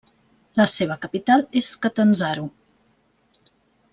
La seva capital és Catanzaro.